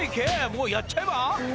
もうやっちゃえば？